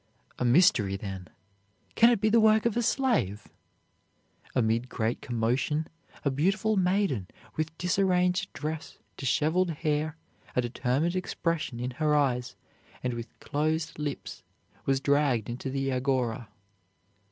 "A mystery, then! Can it be the work of a slave?" Amid great commotion a beautiful maiden with disarranged dress, disheveled hair, a determined expression in her eyes, and with closed lips, was dragged into the Agora.